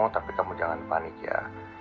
tapi kamu jangan panik ya